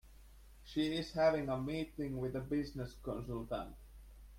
She is having a meeting with a business consultant.